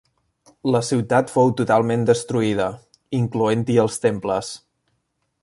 La ciutat fou totalment destruïda, incloent-hi els temples.